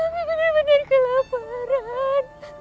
kami benar benar kelaparan